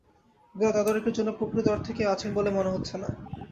এগুলো তদারকির জন্য প্রকৃত অর্থে কেউ আছেন বলে মনে হচ্ছে না।